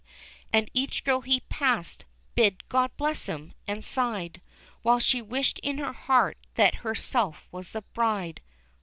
And each girl he passed, bid "God bless him," and sighed, While she wished in her heart that herself was the bride.